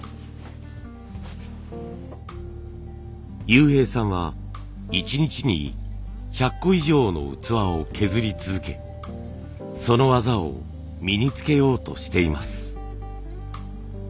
悠平さんは１日に１００個以上の器を削り続けその技を身につけようとしています。